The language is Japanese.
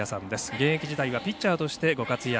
現役時代はピッチャーとしてご活躍。